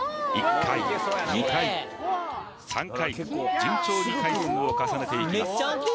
１回２回３回順調に回数を重ねていきます